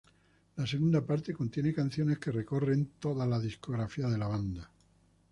La segunda parte contiene canciones que recorren toda la discografía de la banda.